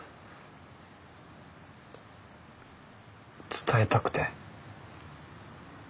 伝えたくて。